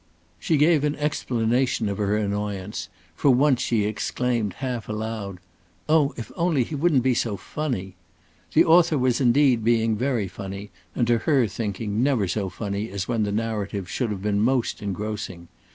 She gave an explanation of her annoyance; for once she exclaimed half aloud, "Oh, if only he wouldn't be so funny!" The author was indeed being very funny, and to her thinking never so funny as when the narrative should have been most engrossing.